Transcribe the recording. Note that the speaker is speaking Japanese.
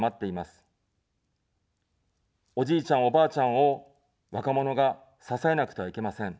おじいちゃん、おばあちゃんを若者が支えなくてはいけません。